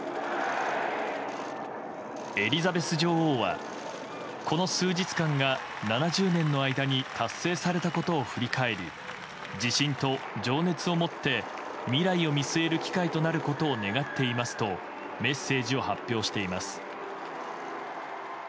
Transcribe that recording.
エリザベス女王はこの数日間が７０年の間に達成されたことを振り返り自信と情熱を持って未来を見据える機会となることを願っていますとメッセージを発表しています。